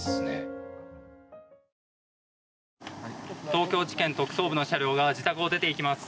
東京地検特捜部の車両が自宅を出ていきます。